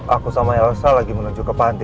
aku sama elsa lagi menuju ke panti